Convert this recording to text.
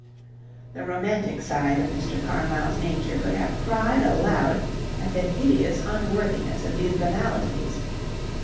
The romantic side of Mr. Carmyle's nature could have cried aloud at the hideous unworthiness of these banalities.